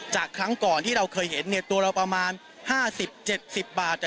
ครั้งก่อนที่เราเคยเห็นตัวเราประมาณ๕๐๗๐บาท